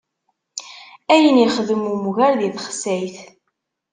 Ayen ixdem umger di texsayt.